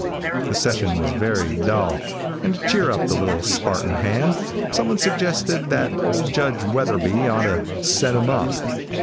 The session was very dull, and to cheer up the little Spartan hand some one suggested that old Judge Wetherby ought to "set 'em up."